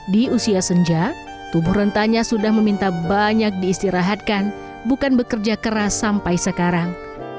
di usia senja tubuh rentanya sudah meminta banyak diistirahatkan bukan bekerja keras sampai sekarang